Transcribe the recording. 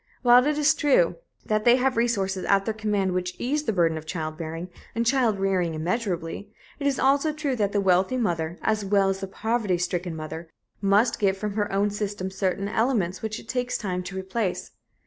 While it is true that they have resources at their command which ease the burden of child bearing and child rearing immeasurably, it is also true that the wealthy mother, as well as the poverty stricken mother, must give from her own system certain elements which it takes time to replace.